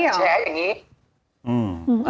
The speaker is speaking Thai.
อืม